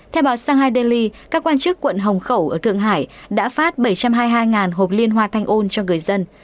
theo báo shanghai daily các quan chức quận hồng khẩu ở thượng hải đã phát bảy trăm hai mươi hai hộp liên hoa thanh ôn cho người dân